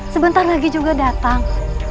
sebentar lagi juga datang